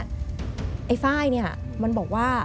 ไอ้ไฟล์เนี่ยมันบอกว่า